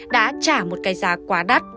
đã trả một cái giá quá đắt